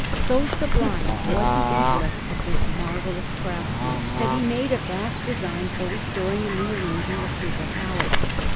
So sublime was the intellect of this marvellous craftsman, that he made a vast design for restoring and rearranging the Papal Palace.